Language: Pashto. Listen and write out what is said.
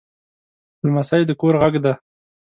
لمسی د کور غږ دی.